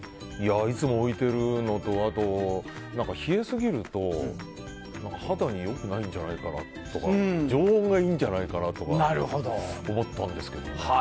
いつも置いてるのとあと冷えすぎると肌に良くないんじゃないかなとか常温がいいんじゃないかなとか思ったんですけど。